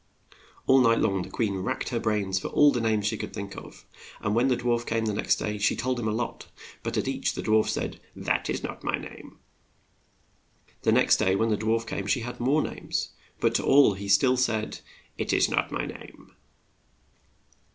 All night long the queen racked her brains for all the names she could think of, and when the dwarf came the next day she told him a lot, but at each the dwarf said, "That is not my name." The next day when the dwarf came she had more names, but to all he still said, "It is not my name."